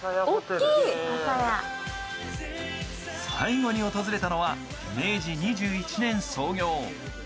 最後に訪れたのは明治２１年創業。